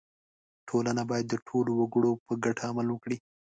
• ټولنه باید د ټولو وګړو په ګټه عمل وکړي.